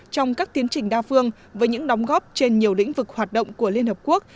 trong các tiến trình đa phương với những đóng góp trên nhiều lĩnh vực hoạt động của liên hợp quốc